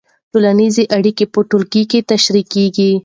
ټولنیزې اړیکې په ټولګي کې تشریح کېږي.